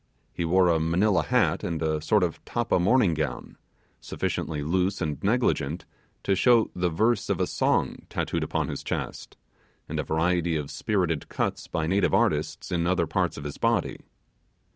He wore a Manilla hat and a sort of tappa morning gown, sufficiently loose and negligent to show the verse of a song tattooed upon his chest, and a variety of spirited cuts by native artists in other parts of his body.